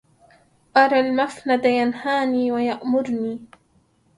أرى المفند ينهاني ويأمرني